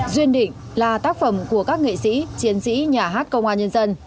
duyên định là tác phẩm của các nghệ sĩ chiến sĩ nhà hát công an nhân dân